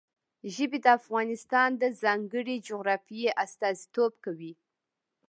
ژبې د افغانستان د ځانګړي جغرافیه استازیتوب کوي.